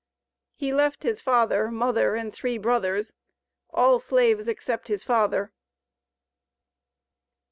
He left his father, mother, and three brothers, all slaves except his father.